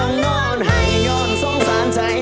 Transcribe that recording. น้องวะนอนให้ยอมทรงสร้างใจ